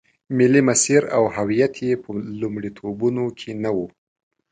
ملي مسیر او هویت یې په لومړیتوبونو کې نه و.